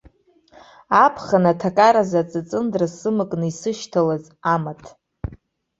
Аԥхын аҭакар азы аҵыҵындра сымакны исышьҭалаз амаҭ.